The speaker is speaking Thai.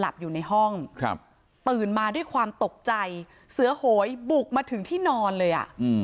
อยู่ในห้องครับตื่นมาด้วยความตกใจเสือโหยบุกมาถึงที่นอนเลยอ่ะ